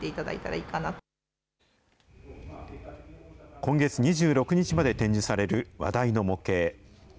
今月２６日まで展示される話題の模型。